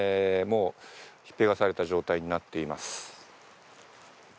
もうひっぺがされた状態になっています。